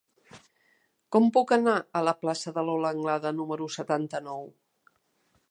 Com puc anar a la plaça de Lola Anglada número setanta-nou?